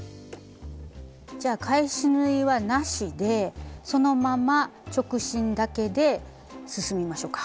じゃあ返し縫いはなしでそのまま直進だけで進みましょか。